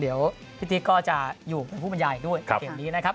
เดี๋ยวพี่ตี๊ก็จะอยู่เป็นผู้บรรยายด้วยเกี่ยวนี้นะครับ